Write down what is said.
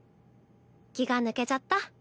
気が抜けちゃった？